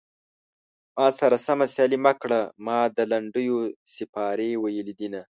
ما سره سمه سيالي مه کړه ما د لنډيو سيپارې ويلي دينه